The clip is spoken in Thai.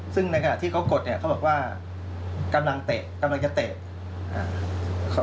ซึ่งในกาลที่เขากดเขาบอกว่ากำลังเตะกำลังจะเตะ